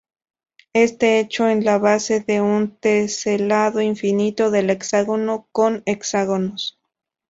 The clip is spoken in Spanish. Este hecho es la base de un teselado infinito del hexágono con hexágonos.